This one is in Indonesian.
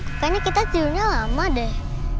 pokoknya kita tidurnya lama deh